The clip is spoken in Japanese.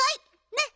ねっ？